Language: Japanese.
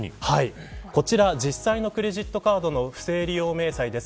こちら、実際のクレジットカードの不正利用明細です。